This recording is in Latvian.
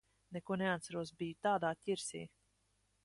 Neko neatceros. Biju tādā ķirsī.